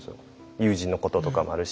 友人のこととかもあるし。